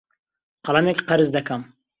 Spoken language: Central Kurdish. قەڵەمێک قەرز دەکەم.